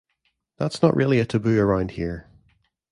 That's not really a taboo around here.